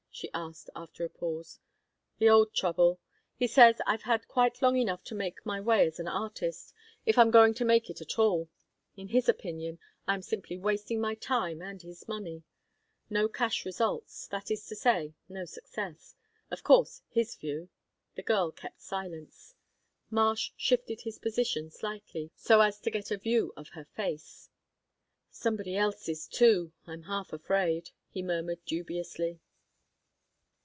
she asked, after a pause. "The old trouble. He says I've had quite long enough to make my way as an artist, if I'm going to make it at all. In his opinion, I am simply wasting my time and his money. No cash results; that is to say, no success. Of course, his view." The girl kept silence. Marsh shifted his position slightly, so as to get a view of her face. "Somebody else's too, I'm half afraid," he murmured dubiously.